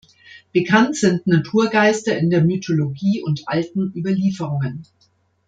Bekannt sind Naturgeister in der Mythologie und alten Überlieferungen.